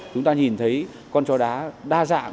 chúng ta nhìn thấy con chó đá đa dạng